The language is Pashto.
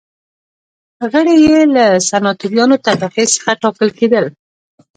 غړي یې له سناتوریال طبقې څخه ټاکل کېدل.